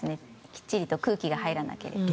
きっちりと空気が入らなければ。